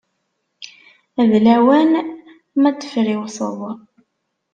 D lawan ma ad d-friwseḍ.